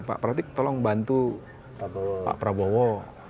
pak pratik tolong bantu pak prabowo